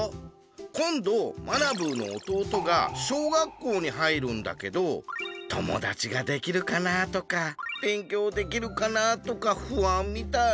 今度まなブーの弟が小学校に入るんだけど友だちができるかなとか勉強できるかなとか不安みたい。